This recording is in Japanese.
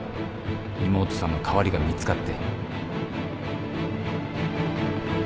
妹さんの代わりが見つかって・・